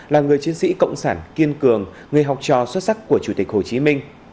là người chiến sĩ cộng sản kiên cường người học trò xuất sắc của chủ tịch hồ chí minh